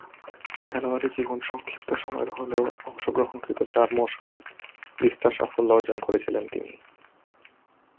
খেলোয়াড়ী জীবন সংক্ষিপ্ত সময়ের হলেও অংশগ্রহণকৃত চার মৌসুমে বিস্তর সাফল্য অর্জন করেছিলেন তিনি।